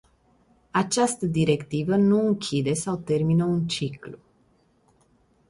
Această directivă nu închide sau termină un ciclu.